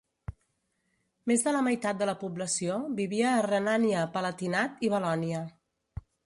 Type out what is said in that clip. Més de la meitat de la població vivia a Renània-Palatinat i Valònia.